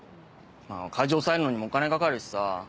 会場押さえるのにもお金かかるしさ